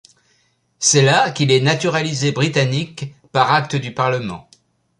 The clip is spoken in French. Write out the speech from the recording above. C'est là qu'il est naturalisé britannique par acte du Parlement.